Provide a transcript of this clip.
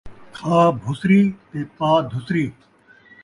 کھا بُھسری تے پا دُھسری